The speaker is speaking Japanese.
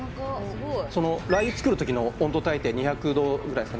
そのラー油作る時の温度帯って２００度ぐらいですか？